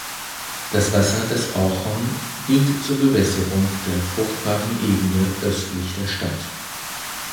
Das Wasser des Orchon dient zur Bewässerung der fruchtbaren Ebene östlich der Stadt.